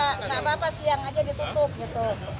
nggak apa apa siang saja ditutup